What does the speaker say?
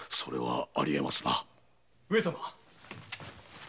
上様。